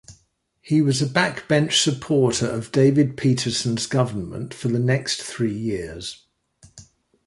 He was a backbench supporter of David Peterson's government for the next three years.